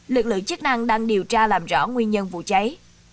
lực lượng chức năng đang điều tra làm rõ nguyên nhân vụ cháy